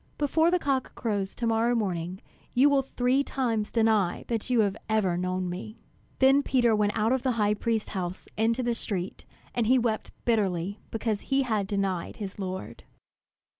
"Before the cock crows to morrow morning, you will three times deny that you have ever known me." Then Peter went out of the high priest's house into the street; and he wept bitterly because he had denied his Lord.